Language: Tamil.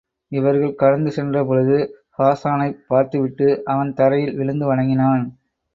இவர்கள் கடந்து சென்ற பொழுது, ஹாஸானைப் பார்த்துவிட்டு அவன் தரையில் விழுந்து வணங்கினான்.